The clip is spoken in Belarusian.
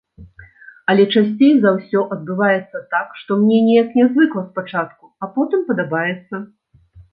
Але часцей за ўсё адбываецца так, што мне неяк нязвыкла спачатку, а потым падабаецца.